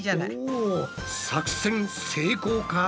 お作戦成功か？